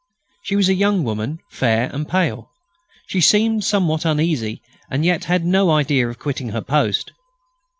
She was a young woman, fair and pale. She seemed somewhat uneasy, and yet had no idea of quitting her post.